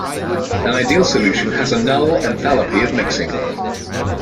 An ideal solution has a null enthalpy of mixing.